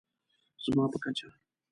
زما په کچه